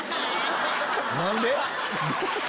何で？